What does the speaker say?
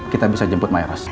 kita bisa jemput ma'eros